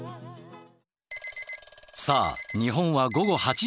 さあ日本は午後８時３０分。